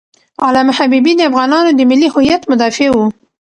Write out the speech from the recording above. علامه حبیبي د افغانانو د ملي هویت مدافع و.